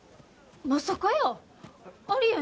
まさかやー。